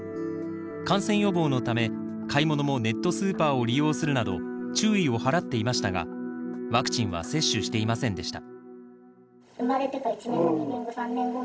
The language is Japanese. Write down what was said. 感染予防のため買い物もネットスーパーを利用するなど注意を払っていましたがワクチンは接種していませんでした。